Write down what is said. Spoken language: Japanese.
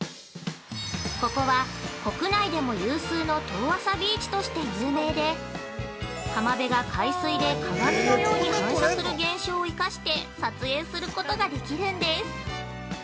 ◆ここは、国内でも有数の遠浅ビーチとして有名で浜辺が海水で鏡のように反射する現象を生かして撮影することができるんです。